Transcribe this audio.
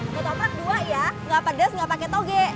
kotoprak dua ya gak pedes gak pake toge